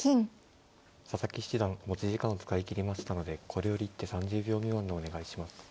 佐々木七段持ち時間を使い切りましたのでこれより一手３０秒未満でお願いします。